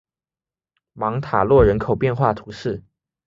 芒塔洛人口变化图示